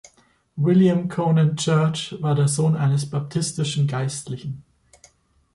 William Conant Church war der Sohn eines baptistischen Geistlichen.